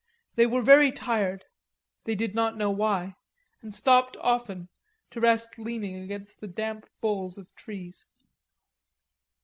They were very tired, they did not know why and stopped often to rest leaning against the damp boles of trees.